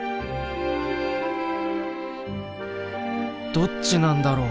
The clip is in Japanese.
どっちなんだろう？